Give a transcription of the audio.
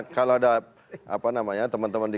kalau ada teman teman di